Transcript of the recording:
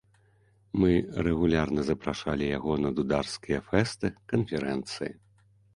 Мы рэгулярна запрашалі яго на дударскія фэсты, канферэнцыі.